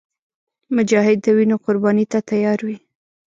مجاهد د وینو قرباني ته تیار وي.